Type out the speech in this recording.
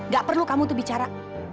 gak perlu kamu tuh bicara